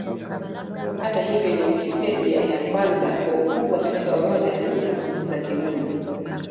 Hata hivyo, ni Wikipedia ya kwanza kwa ukubwa katika orodha ya Lugha za Kirumi.